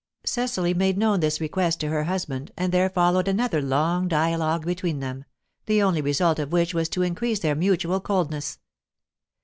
Cecily made known this request to her husband, and there followed another long dialogue between them, the only result of which was to increase their mutual coldness.